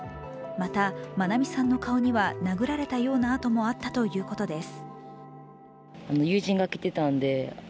また、愛美さんの顔には殴られたような痕もあったということです。